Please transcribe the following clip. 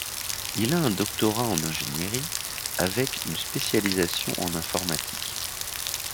Il a un doctorat en ingénierie, avec une spécialisation en informatique.